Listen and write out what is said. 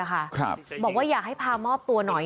บอกว่าอยากให้พามอบตัวหน่อย